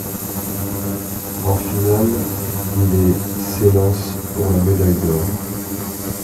En finale, les s'élancent pour la médaille d'or.